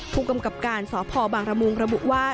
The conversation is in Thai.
ผู้กำกับการสพบางระมุงระบุว่า